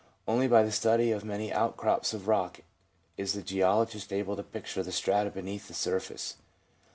Only by the study of many outcrops of rock is the geologist able to picture the strata beneath the surface.